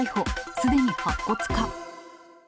すでに白骨化。